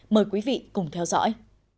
mời quý vị cùng theo dõi